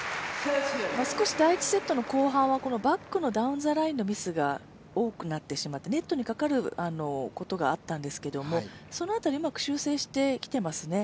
少し第１セットの後半はバックのダウンザラインのミスが多くなっていましたがネットにかかることがあったんですけれども、そのうまく修正してきてますね。